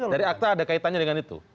dari akta ada kaitannya dengan itu